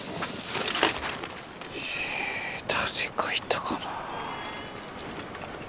え誰かいたかなぁ。